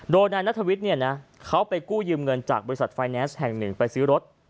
โดยนายนัทวิทย์เนี่ยนะเขาไปกู้ยืมเงินจากบริษัทไฟแนนซ์แห่งหนึ่งไปซื้อรถ